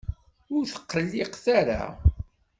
Ur tqelliqet ara!